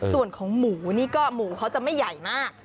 ส่วนของหมูนี่ก็หมูเขาจะไม่ใหญ่มาก